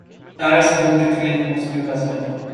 Alice had moved to Cleveland with her new husband.